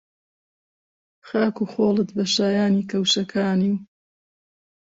خاک و خۆڵت بە شایانی کەوشەکانی و